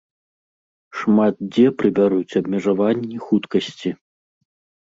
Шмат дзе прыбяруць абмежаванні хуткасці.